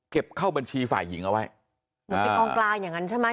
เก็บเข้าบัญชีฝ่ายหญิงเอาไว้อ่าอย่างงั้นใช่ไหม